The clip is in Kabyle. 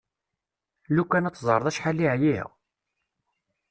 Lufan ad teẓreḍ acḥal i ɛyiɣ!